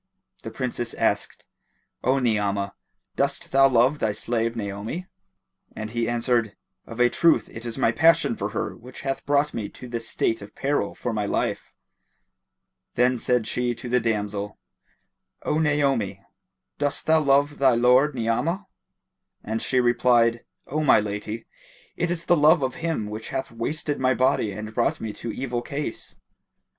The Princess asked, "O Ni'amah, dost thou love thy slave Naomi?"; and he answered, "Of a truth it is my passion for her which hath brought me to this state of peril for my life." Then said she to the damsel, "O Naomi, dost thou love thy lord Ni'amah?"; and she replied, "O my lady, it is the love of him which hath wasted my body and brought me to evil case."